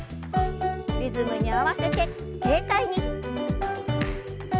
リズムに合わせて軽快に。